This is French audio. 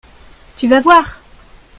Tu va voir !